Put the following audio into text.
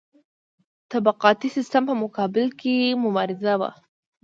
طبقاتي سیستم په مقابل کې مبارزه وه.